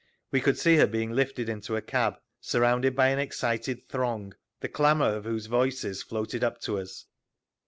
We could see her being lifted into a cab, surrounded by an excited throng, the clamour of whose voices floated up to us.